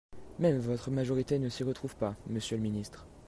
Même votre majorité ne s’y retrouve pas, monsieur le ministre